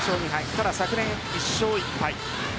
ただ昨年、１勝１敗。